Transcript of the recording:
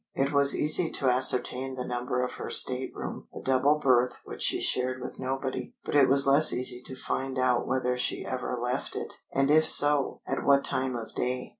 It was easy to ascertain the number of her stateroom a double berth which she shared with nobody. But it was less easy to find out whether she ever left it, and if so, at what time of day.